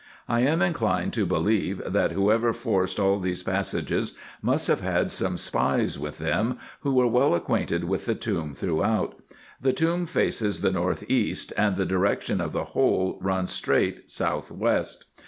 I am inclined to believe, that whoever forced all these passages must have had some spies with them, who were well acquainted with the tomb throughout. The tomb faces the north east, and the direction of the whole runs straight south west.